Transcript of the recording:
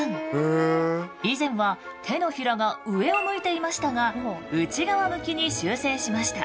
以前は手のひらが上を向いていましたが内側向きに修正しました。